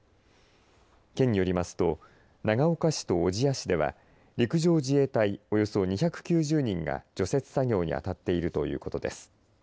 県によりますと長岡市と小千谷市では陸上自衛隊、およそ２９０人が除雪作業に当たっているということです。